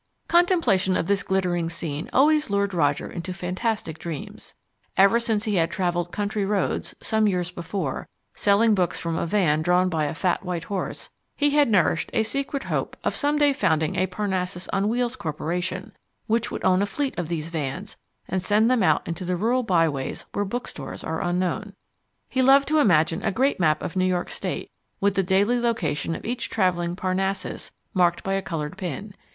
Contemplation of this glittering scene always lured Roger into fantastic dreams. Ever since he had travelled country roads, some years before, selling books from a van drawn by a fat white horse, he had nourished a secret hope of some day founding a Parnassus on Wheels Corporation which would own a fleet of these vans and send them out into the rural byways where bookstores are unknown. He loved to imagine a great map of New York State, with the daily location of each travelling Parnassus marked by a coloured pin.